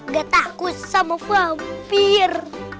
gak takut sama vampir